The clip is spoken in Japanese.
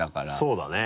そうだね。